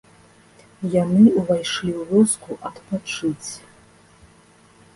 Яны ўвайшлі ў вёску адпачыць.